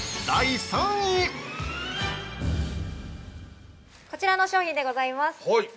◆こちらの商品でございます。